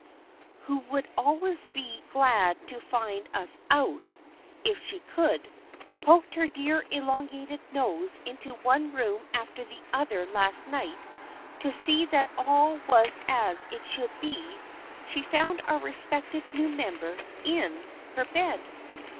who would always be glad to find us out if she could, poked her dear elongated nose into one room after the other last night, to see that all was as it should be, she found our respected new member in her bed.